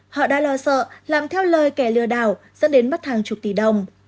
họ đã lo sợ làm theo lời kẻ lừa đảo dẫn đến mất hàng chục tỷ đồng